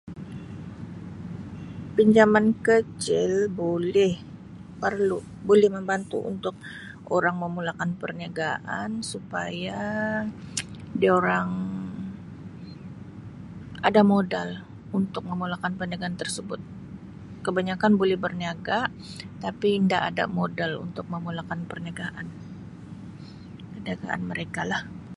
Pinjaman kecil boleh perlu boleh membantu untuk orang memulakan perniagaan supaya diorang ada modal untuk memulakan perniagaan tersebut kebanyakan boleh berniaga tapi nda da modal untuk memulakan perniagaan perniagaan mereka lah.